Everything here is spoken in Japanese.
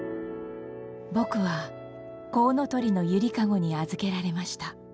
「僕はこうのとりのゆりかごに預けられました」。